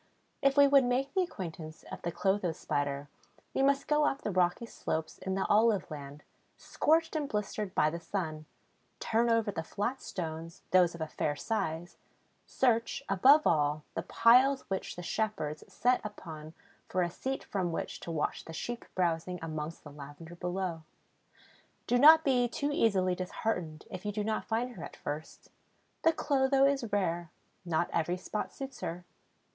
If we would make the acquaintance of the Clotho Spider we must go up the rocky slopes in the olive land, scorched and blistered by the sun, turn over the flat stones, those of a fair size, search, above all, the piles which the shepherds set up for a seat from which to watch the sheep browsing amongst the lavender below. Do not be too easily disheartened if you do not find her at first. The Clotho is rare; not every spot suits her.